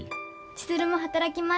千鶴も働きます。